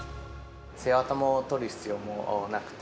背わたも取る必要もなくて、